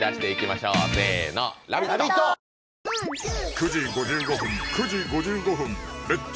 ９時５５分９時５５分「レッツ！